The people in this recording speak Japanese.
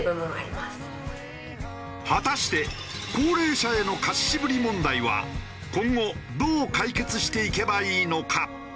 果たして高齢者への貸し渋り問題は今後どう解決していけばいいのか？